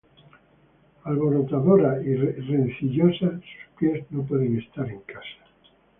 Alborotadora y rencillosa, Sus pies no pueden estar en casa;